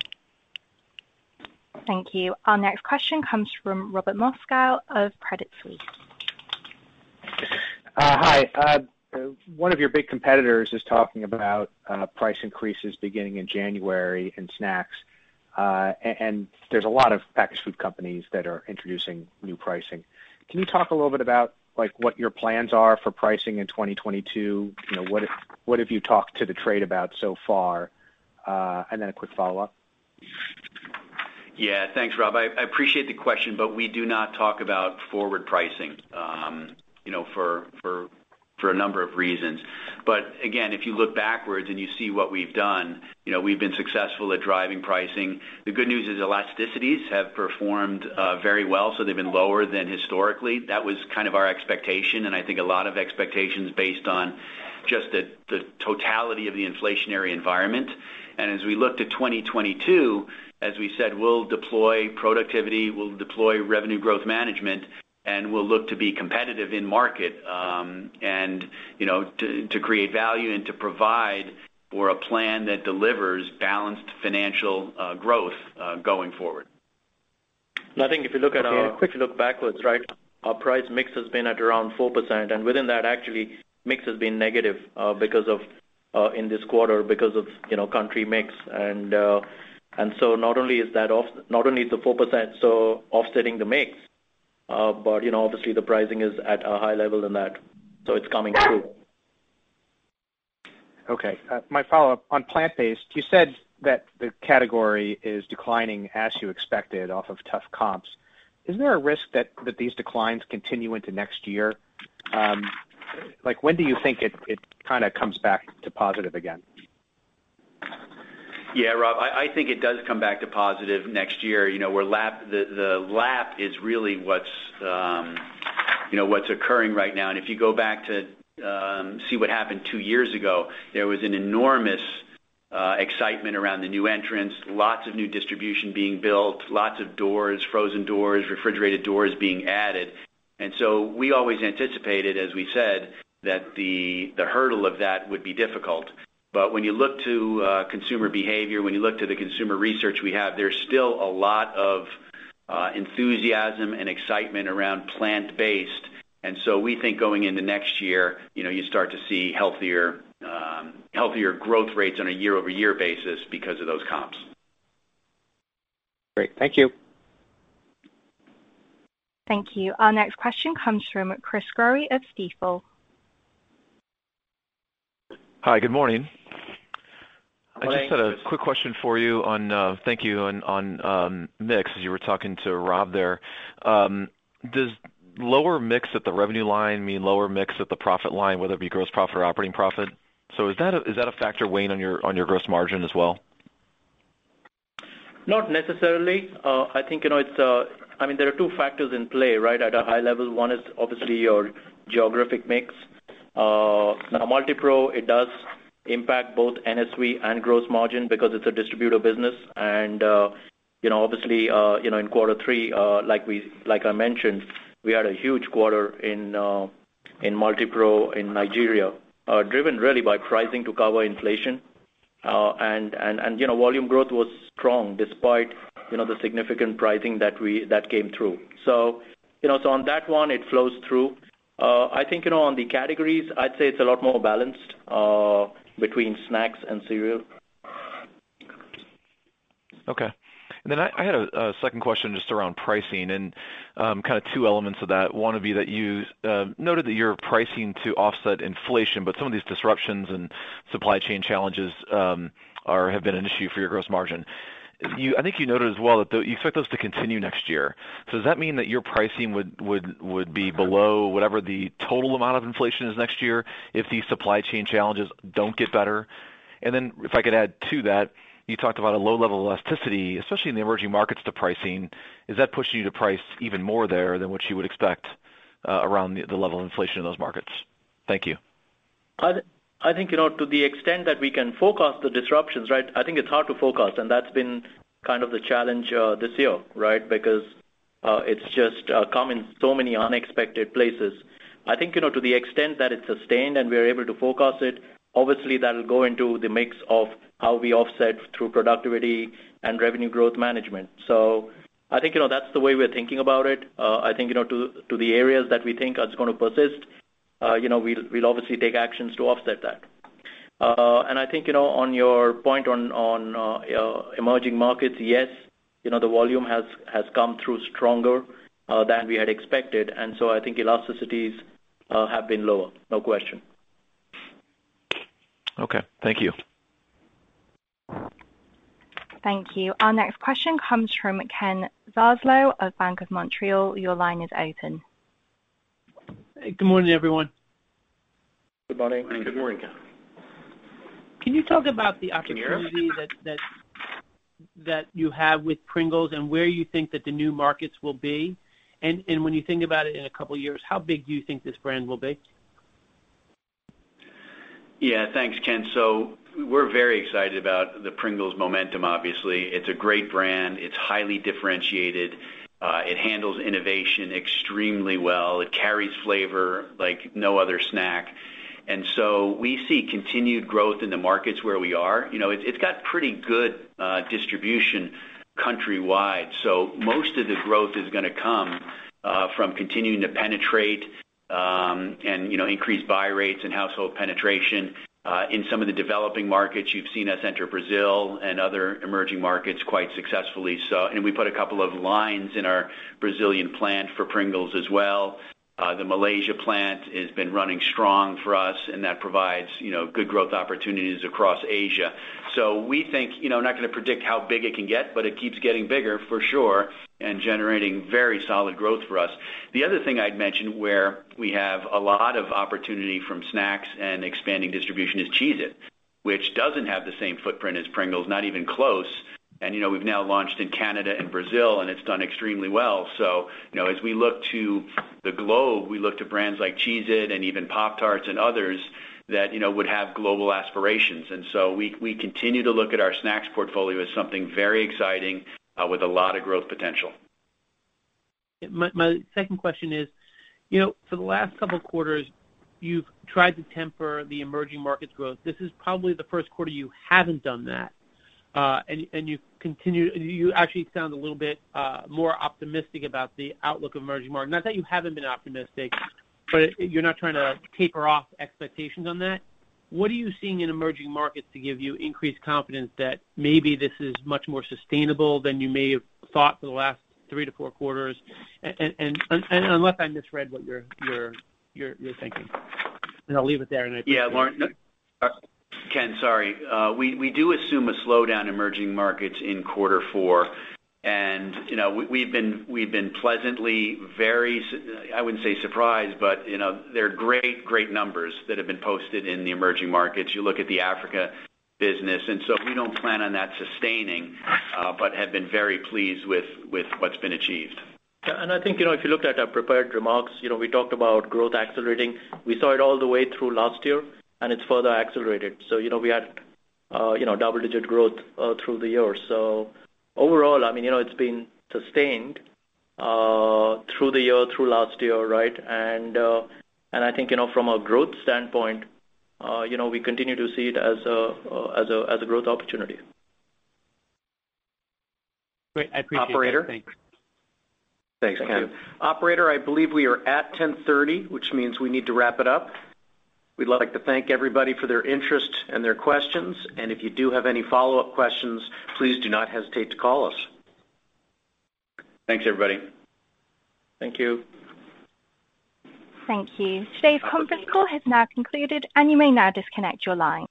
Thank you. Our next question comes from Robert Moskow of Credit Suisse. Hi. One of your big competitors is talking about price increases beginning in January in snacks. And there's a lot of packaged food companies that are introducing new pricing. Can you talk a little bit about, like, what your plans are for pricing in 2022? You know, what have you talked to the trade about so far? And then a quick follow-up. Yeah. Thanks, Rob. I appreciate the question, but we do not talk about forward pricing, you know, for a number of reasons. Again, if you look backwards and you see what we've done, you know, we've been successful at driving pricing. The good news is elasticities have performed very well, so they've been lower than historically. That was kind of our expectation, and I think a lot of expectations based on just the totality of the inflationary environment. As we look to 2022, as we said, we'll deploy productivity, we'll deploy revenue growth management, and we'll look to be competitive in market, and, you know, to create value and to provide for a plan that delivers balanced financial growth going forward. I think if you look at our Okay. If you look backwards, right, our price mix has been at around 4%. Within that, actually, mix has been negative because of in this quarter because of, you know, country mix. Not only is the 4% so offsetting the mix, but, you know, obviously the pricing is higher than that, so it's coming through. Okay. My follow-up on plant-based, you said that the category is declining as you expected off of tough comps. Is there a risk that these declines continue into next year? Like, when do you think it kinda comes back to positive again? Yeah, Rob, I think it does come back to positive next year. You know, where the lap is really what's occurring right now. If you go back to see what happened two years ago, there was an enormous excitement around the new entrants, lots of new distribution being built, lots of doors, frozen doors, refrigerated doors being added. We always anticipated, as we said, that the hurdle of that would be difficult. When you look to consumer behavior, when you look to the consumer research we have, there's still a lot of enthusiasm and excitement around plant-based. We think going into next year, you know, you start to see healthier growth rates on a year-over-year basis because of those comps. Great. Thank you. Thank you. Our next question comes from Chris Growe of Stifel. Hi, good morning. Good morning, Chris. I just had a quick question for you on mix, as you were talking to Rob there. Does lower mix at the revenue line mean lower mix at the profit line, whether it be gross profit or operating profit? Is that a factor weighing on your gross margin as well? Not necessarily. I think, you know, it's, I mean, there are two factors in play, right? At a high level, one is obviously your geographic mix. Now Multipro, it does impact both NSP and gross margin because it's a distributor business. You know, obviously, you know, in quarter three, like I mentioned, we had a huge quarter in Multipro in Nigeria, driven really by pricing to cover inflation. And, you know, volume growth was strong despite, you know, the significant pricing that came through. You know, on that one, it flows through. I think, you know, on the categories, I'd say it's a lot more balanced, between snacks and cereal. Okay. I had a second question just around pricing and kind of two elements of that. One would be that you noted that you're pricing to offset inflation, but some of these disruptions and supply chain challenges have been an issue for your gross margin. I think you noted as well that though you expect those to continue next year. Does that mean that your pricing would be below whatever the total amount of inflation is next year if these supply chain challenges don't get better? If I could add to that, you talked about a low level of elasticity, especially in the emerging markets to pricing. Is that pushing you to price even more there than what you would expect around the level of inflation in those markets? Thank you. I think you know to the extent that we can forecast the disruptions right? I think it's hard to forecast and that's been kind of the challenge this year right? Because it's just come in so many unexpected places. I think you know to the extent that it's sustained and we're able to forecast it obviously that'll go into the mix of how we offset through productivity and revenue growth management. I think you know that's the way we're thinking about it. I think you know to the areas that we think are just gonna persist you know we'll obviously take actions to offset that. I think, you know, on your point on emerging markets, yes, you know, the volume has come through stronger than we had expected, and so I think elasticities have been lower, no question. Okay, thank you. Thank you. Our next question comes from Ken Zaslow of BMO Capital Markets. Your line is open. Good morning, everyone. Good morning. Good morning, Ken. Can you talk about the opportunity that you have with Pringles and where you think that the new markets will be? When you think about it in a couple of years, how big do you think this brand will be? Yeah, thanks, Ken. We're very excited about the Pringles momentum, obviously. It's a great brand. It's highly differentiated. It handles innovation extremely well. It carries flavor like no other snack. We see continued growth in the markets where we are. You know, it's got pretty good distribution countrywide. Most of the growth is gonna come from continuing to penetrate and increase buy rates and household penetration. In some of the developing markets, you've seen us enter Brazil and other emerging markets quite successfully. We put a couple of lines in our Brazilian plant for Pringles as well. The Malaysia plant has been running strong for us, and that provides good growth opportunities across Asia. We think, you know, not gonna predict how big it can get, but it keeps getting bigger for sure, and generating very solid growth for us. The other thing I'd mention where we have a lot of opportunity from snacks and expanding distribution is Cheez-It, which doesn't have the same footprint as Pringles, not even close. You know, we've now launched in Canada and Brazil, and it's done extremely well. You know, as we look to the globe, we look to brands like Cheez-It and even Pop-Tarts and others that, you know, would have global aspirations. We continue to look at our snacks portfolio as something very exciting, with a lot of growth potential. My second question is, you know, for the last couple quarters, you've tried to temper the emerging markets growth. This is probably the first quarter you haven't done that. You actually sound a little bit more optimistic about the outlook of emerging market. Not that you haven't been optimistic, but you're not trying to taper off expectations on that. What are you seeing in emerging markets to give you increased confidence that maybe this is much more sustainable than you may have thought for the last three to four quarters? And unless I misread what you're thinking. I'll leave it there and I think Yeah. Ken, sorry. We do assume a slowdown in emerging markets in quarter four. You know, we've been pleasantly very. I wouldn't say surprised, but you know, they're great numbers that have been posted in the emerging markets. You look at the Africa business, and so we don't plan on that sustaining, but we have been very pleased with what's been achieved. Yeah. I think, you know, if you look at our prepared remarks, you know, we talked about growth accelerating. We saw it all the way through last year, and it's further accelerated. You know, we had double-digit growth through the year. Overall, I mean, you know, it's been sustained through the year, through last year, right? I think, you know, from a growth standpoint, you know, we continue to see it as a growth opportunity. Great. I appreciate that. Thanks. Thanks, Ken. Operator, I believe we are at 10:30 A.M., which means we need to wrap it up. We'd like to thank everybody for their interest and their questions. If you do have any follow-up questions, please do not hesitate to call us. Thanks, everybody. Thank you. Thank you. Today's conference call has now concluded, and you may now disconnect your line.